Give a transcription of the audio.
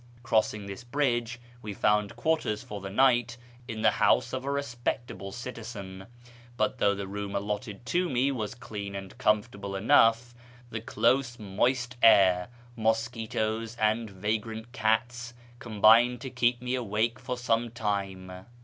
Crossing this bridge, we found quarters for the night in the liouse of a respectable citizen, but though the room allotted to me was clean and comfortable enough, the close, moist air, mosquitoes, and vagrant cats combined to keep me awake for some time.